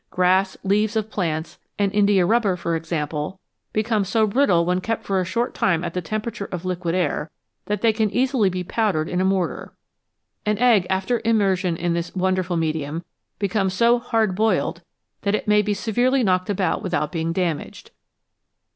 Grass, leaves of plants, and indiarubber, for ex ample, become so brittle when kept for a short time at the tempera ture of liquid air that they can easily be powdered in a mortar. An egg, after immersion in this wonderful medium, becomes so "hard boiled" that it may be severely knocked about without being damaged.